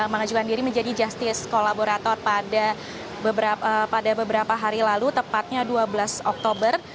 mengajukan diri menjadi justice kolaborator pada beberapa hari lalu tepatnya dua belas oktober